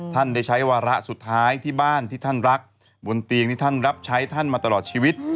ท่านได้ใช้วาระสุดท้ายที่บ้านที่ท่านรักบนเตียงที่ท่านรับใช้ท่านมาตลอดชีวิต